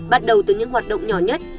bắt đầu từ những hoạt động nhỏ nhất